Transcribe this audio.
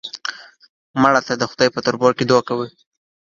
مړه ته د خدای په دربار کې دعا کوو